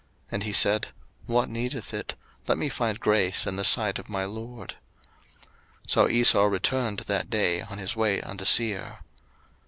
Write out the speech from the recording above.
And he said, What needeth it? let me find grace in the sight of my lord. 01:033:016 So Esau returned that day on his way unto Seir.